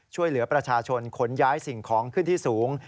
ช่วยเหลือประชาชนขนย้ายสิ่งของขึ้นที่สูง